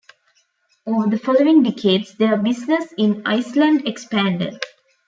Over the following decades, their business in Iceland expanded.